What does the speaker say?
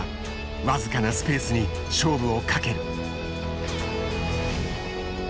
僅かなスペースに勝負をかける。